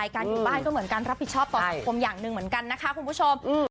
การอยู่บ้านก็เหมือนการรับผิดชอบต่อสังคมอย่างหนึ่งเหมือนกันนะคะคุณผู้ชม